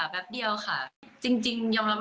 แบบเดียวค่ะ